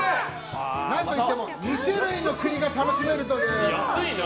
何といっても２種類の栗が楽しめるという。